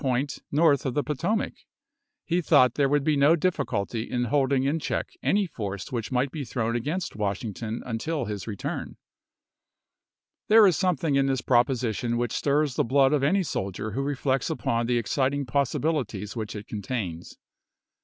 Hooter to Lincoln, north of the Potomac ; he thought there would be no difficulty in holding in check any force which i863Unew°k might be thrown against Washington until his xxvil, return. Part I., pp. 34, 35. There is something in this proposition which stirs the blood of any soldier who reflects upon the exciting possibilities which it contains.